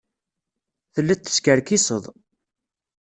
Telliḍ teskerkiseḍ.